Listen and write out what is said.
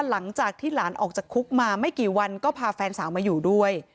หลังจากที่หลานออกจากคุกมาไม่กี่วันก็พาแฟนสาวมาอยู่ด้วย